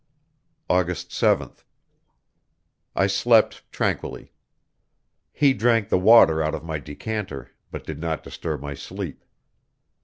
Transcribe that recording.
August 7th. I slept tranquilly. He drank the water out of my decanter, but did not disturb my sleep.